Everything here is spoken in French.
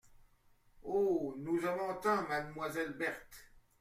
Oh ! nous aimons tant mademoiselle Berthe !…